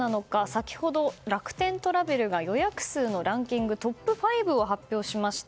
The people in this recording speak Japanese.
先ほど、楽天トラベルが予約数のランキングトップ５を発表しました。